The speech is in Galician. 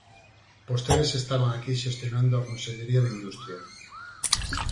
Vostedes estaban aquí xestionando a Consellería de Industria.